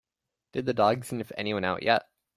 Did the dog sniff anyone out yet?